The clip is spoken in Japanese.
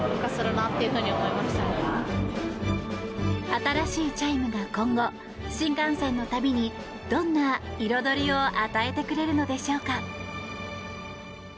新しいチャイムが今後新幹線の旅にどんな色どりを与えてくれるのでしょうか。